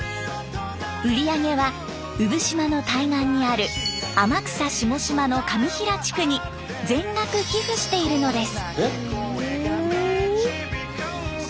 売り上げは産島の対岸にある天草下島の上平地区に全額寄付しているのです。